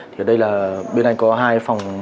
thì ở đây là bên anh có hai phòng